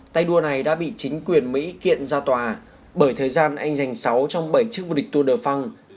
tay đua này đã bị chính quyền mỹ kiện ra tòa bởi thời gian anh giành sáu trong bảy chức vua địch tour de france